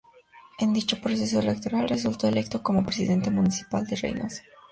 En dicho proceso electoral, resultó electo como Presidente Municipal de Reynosa.